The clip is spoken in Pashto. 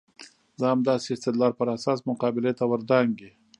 د همداسې استدلال پر اساس مقابلې ته ور دانګي.